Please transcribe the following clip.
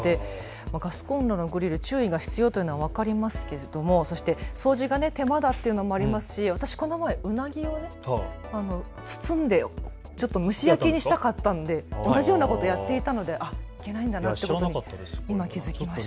ガスコンロのグリル、注意が必要というのは分かりますけれどそして掃除が手間だというのもありますし、私この前うなぎを包んで蒸し焼きにしたかったんで、同じようなことをやっていたのでいけないんだなと今、気付きました。